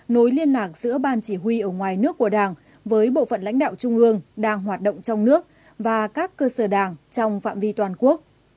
nối liên lạc giữa ban chỉ huy ở ngoài nước của đảng với bộ phận lãnh đạo trung ương đang hoạt động trong nước và các cơ sở đảng trong phạm vi toàn quốc